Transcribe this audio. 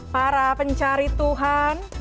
para pencari tuhan